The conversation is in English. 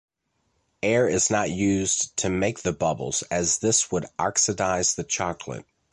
Air is not used to make the bubbles as this would oxidize the chocolate.